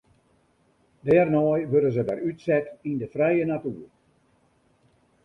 Dêrnei wurde se wer útset yn de frije natuer.